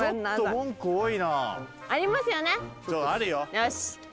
よし。